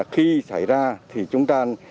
khi xảy ra thì chúng ta